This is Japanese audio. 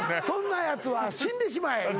「そんなやつは死んでしまえ」